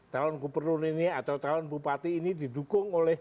talon kuperlun ini atau talon bupati ini didukung oleh